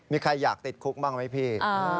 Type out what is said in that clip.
มีใครอยากติดคุกบ้างไหมพี่